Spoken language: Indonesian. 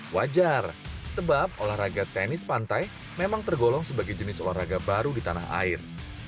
wajar sebab olahraga tenis pantai memang tergolong sebagai jenis olahraga baru di tanah air